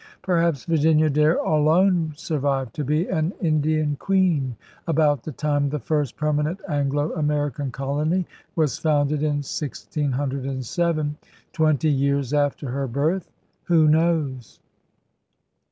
Perhaps Virginia Dare alone survived to be an 'Indian Queen' about the time the first permanent Anglo American colony was founded in 1607, twenty years after her birth. W^ho knows?